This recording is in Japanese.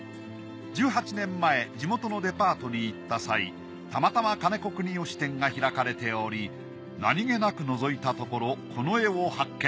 １８年前地元のデパートに行った際たまたま金子國義展が開かれており何気なくのぞいたところこの絵を発見。